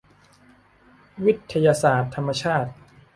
วิทยาศาสตร์ธรรมชาติ